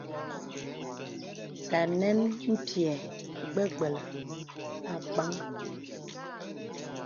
Tə̀ ànɛn m̀pyɛ̄t gbə̀gbə̀lə̀ àgbāŋ.